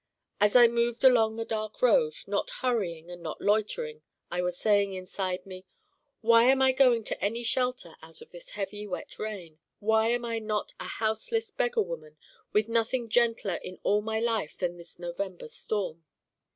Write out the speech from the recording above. As I moved along the dark road not hurrying and not loitering I was saying inside me, 'Why am I going to any shelter out of this heavy wet rain? Why am I not a houseless beggar woman with nothing gentler in all my life than this November storm?